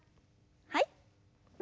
はい。